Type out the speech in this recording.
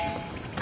あ。